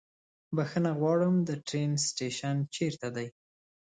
بښنه غواړم، د ټرين سټيشن چيرته ده؟